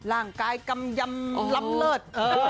ร่างกายกำยำล้ำเลิศ